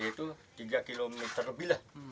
itu tiga kilometer lebih lah